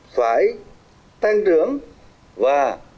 phải tăng trưởng và